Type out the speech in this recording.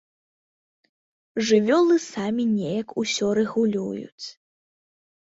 Жывёлы самі неяк усё рэгулююць.